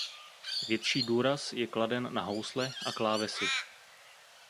Větší důraz je kladen na housle a klávesy.